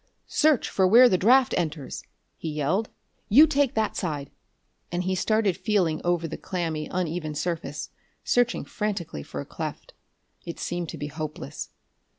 "Search for where the draft enters!" he yelled. "You take that side!" And he started feeling over the clammy, uneven surface, searching frantically for a cleft. It seemed to be hopeless.